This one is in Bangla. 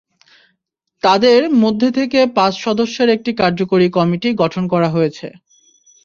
তাদের মধ্যে থেকে পাঁচ সদস্যের একটি কার্যকরী কমিটি গঠন করা হয়েছে।